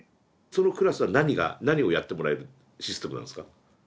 そのクラスは何が何をやってもらえるシステムなんですか？